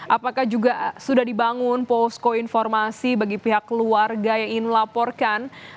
apakah juga sudah dibangun posko informasi bagi pihak keluarga yang ingin melaporkan